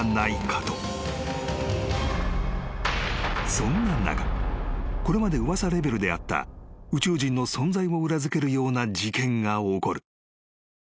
［そんな中これまで噂レベルであった宇宙人の存在を裏付けるような事件が起こる］